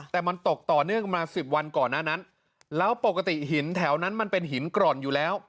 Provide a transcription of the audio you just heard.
แต่มันตกต่อเนื่องมาสิบวันก่อนหน้านั้นแล้วปกติหินแถวนั้นมันเป็นหินกร่อนอยู่แล้ว